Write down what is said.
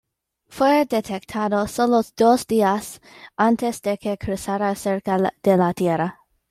Fue detectado solo dos días antes de que cruzara cerca de la Tierra.